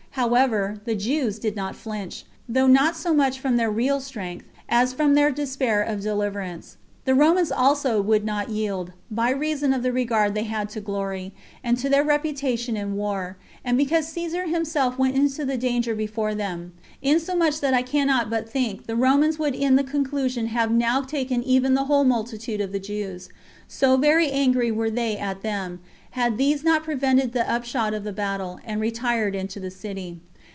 However, the Jews did not flinch, though not so much from their real strength, as from their despair of deliverance. The Romans also would not yield, by reason of the regard they had to glory, and to their reputation in war, and because Caesar himself went into the danger before them; insomuch that I cannot but think the Romans would in the conclusion have now taken even the whole multitude of the Jews, so very angry were they at them, had these not prevented the upshot of the battle, and retired into the city.